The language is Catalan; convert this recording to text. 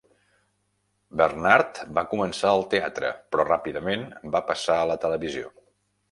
Bernard va començar al teatre, però ràpidament va passar a la televisió.